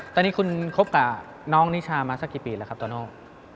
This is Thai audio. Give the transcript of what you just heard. ตอนนี้คุณคบกับน้องนิชามาสักกี่ปีแล้วครับโตโน่